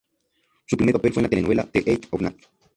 Su primer papel fue en la telenovela "The Edge of Night".